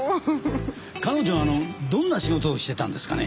彼女どんな仕事をしてたんですかね？